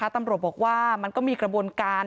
ตำรวจบอกว่ามันก็มีกระบวนการ